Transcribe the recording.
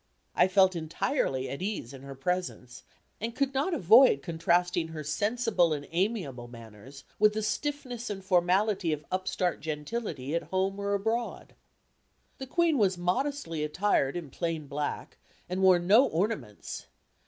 I felt entirely at ease in her presence, and could not avoid contrasting her sensible and amiable manners with the stiffness and formality of upstart gentility at home or abroad. The Queen was modestly attired in plain black, and wore no ornaments.